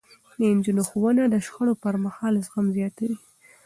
د نجونو ښوونه د شخړو پرمهال زغم زياتوي.